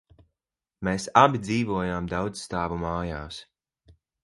Mēs abi dzīvojām daudzstāvu mājās.